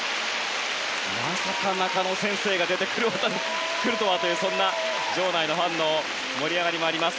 まさか中野先生が出てくるとはというそんな場内のファンの盛り上がりもあります。